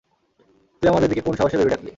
তুই আমার বেবিকে কোন সাহসে বেবি ডাকলি?